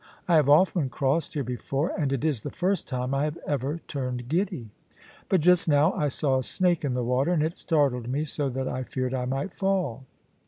I have often crossed here before, and it is the first time I have ever turned giddy ; but just now I saw a snake in the water, and it startled me so that I feared I might fall.'